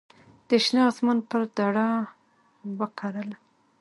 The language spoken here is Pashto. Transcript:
د شنه اسمان پر دړه وکرله